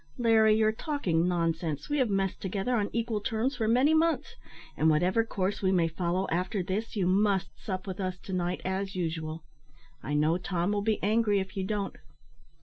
"Larry, you're talking nonsense. We have messed together on equal terms for many months; and, whatever course we may follow after this, you must sup with us to night, as usual. I know Tom will be angry if you don't."